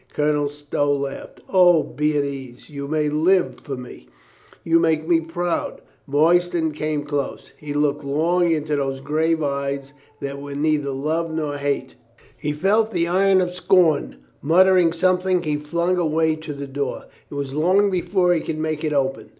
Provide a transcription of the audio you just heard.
Colonel Stow laughed. "O, be at ease! You may live for me. You make me proud." Royston came close. He looked long into those grave eyes that wore neither love nor hate. He felt the iron of scorn. ... Muttering something he flung away to the door. It was long before he could make it open.